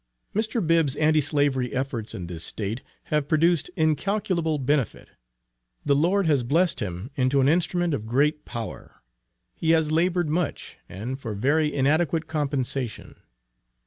Mr. Bibb's Anti slavery efforts in this State have produced incalculable benefit. The Lord has blessed him into an instrument of great power. He has labored much, and for very inadequate compensation.